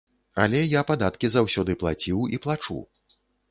Але я падаткі заўсёды плаціў і плачу.